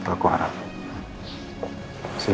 silahkan aku minta tukar siang